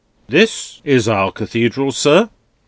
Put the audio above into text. —This is our Cathedral, sir.